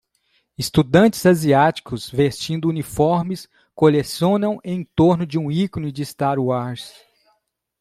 Estudantes asiáticos vestindo uniformes colecionam em torno de um ícone de Star Wars.